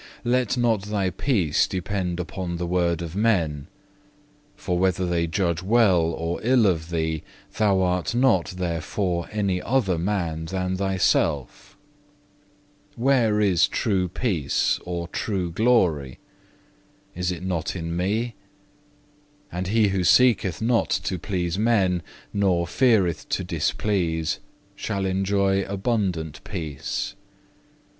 2. "Let not thy peace depend upon the word of men; for whether they judge well or ill of thee, thou art not therefore any other man than thyself. Where is true peace or true glory? Is it not in Me? And he who seeketh not to please men, nor feareth to displease, shall enjoy abundant peace.